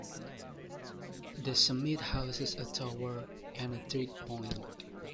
The summit houses a tower and a trig point.